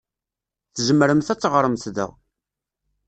Tzemremt ad teɣṛemt da.